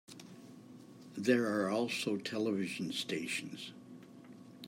There are also television stations.